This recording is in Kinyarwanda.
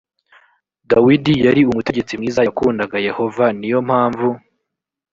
dawidi yari umutegetsi mwiza yakundaga yehova ni yo mpamvu